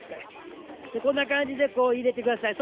こんな感じでこう入れて下さい。